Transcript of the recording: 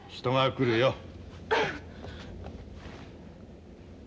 人が来るよ。